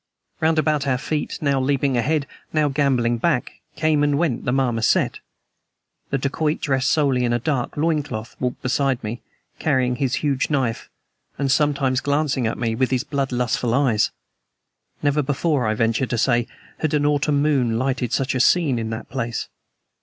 Round about our feet, now leaping ahead, now gamboling back, came and went the marmoset. The dacoit, dressed solely in a dark loin cloth, walked beside me, carrying his huge knife, and sometimes glancing at me with his blood lustful eyes. Never before, I venture to say, had an autumn moon lighted such a scene in that place.